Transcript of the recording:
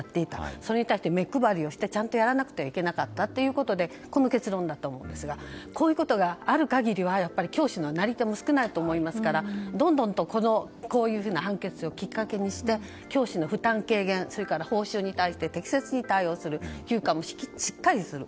それに対して目配りをしなければいけなかったということでこの結論だと思いますがこういうことがある限りは教師のなり手も少ないと思いますからどんどんこういう判決をきっかけにして教師の負担軽減報酬に対して適切に対応する休暇もしっかりする。